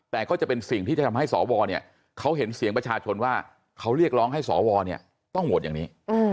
แต่ก็จะเป็นสิ่งที่จะทำให้สวเนี่ยเขาเห็นเสียงประชาชนว่าเขาเรียกร้องให้สวเนี่ยต้องโหวตอย่างนี้